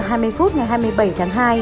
một h hai mươi phút ngày hai mươi bảy tháng hai